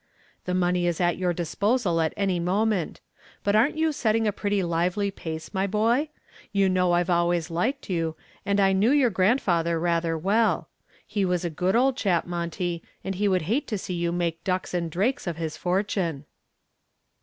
"The money is at your disposal at any moment. But aren't you setting a pretty lively pace, my boy? You know I've always liked you, and I knew your grandfather rather well. He was a good old chap, Monty, and he would hate to see you make ducks and drakes of his fortune."